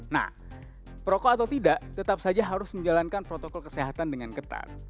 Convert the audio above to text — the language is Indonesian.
nah perokok atau tidak tetap saja harus menjalankan protokol kesehatan dengan ketat